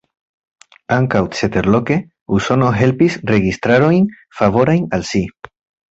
Ankaŭ ceterloke, Usono helpis registarojn favorajn al si.